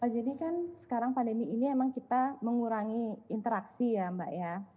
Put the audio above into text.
jadi kan sekarang pandemi ini memang kita mengurangi interaksi ya mbak ya